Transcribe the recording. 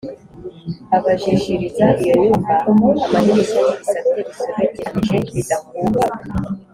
Abajishiriza iyo nyumba amadirishya y’ibisate bisobekeranije, bidakuka